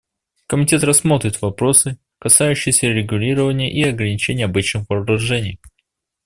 Комитет рассмотрит вопросы, касающиеся регулирования и ограничения обычных вооружений.